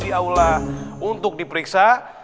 di aula untuk diperiksa